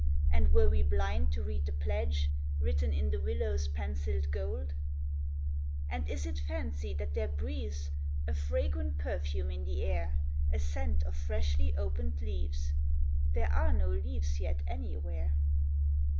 And were we blind to read the pledge Written in the willow's pencilled gold ? And is it fancy that there breathes A vagrant perfume in the air, A scent of freshly opened leaves ? There are no leaves yet anywhere.